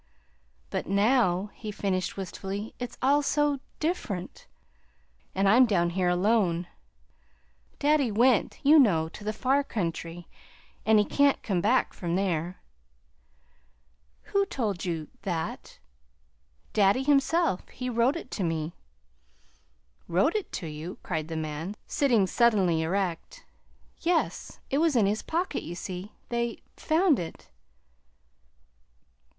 "But now" he finished wistfully, "it's all, so different, and I'm down here alone. Daddy went, you know, to the far country; and he can't come back from there." "Who told you that?" "Daddy himself. He wrote it to me." "Wrote it to you!" cried the man, sitting suddenly erect. "Yes. It was in his pocket, you see. They found it."